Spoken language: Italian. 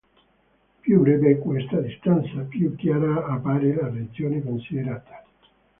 Più breve è questa distanza, più chiara appare la regione considerata.